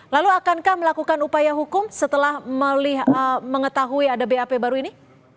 lalu akankah melakukan upaya hukum setelah mengetahui ada bap baru ini